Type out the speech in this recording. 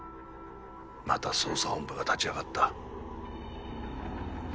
また捜査本部が立ち上がった。